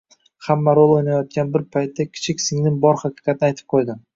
Hamma rol o`ynayotgan bir paytda kichik singlim bor haqiqatni aytib qo`ydi